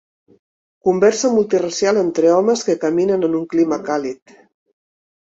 Conversa multiracial entre homes que caminen en un clima càlid.